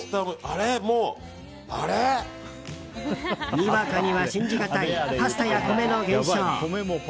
にわかには信じがたいパスタや米の減少。